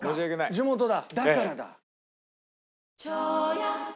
地元だ。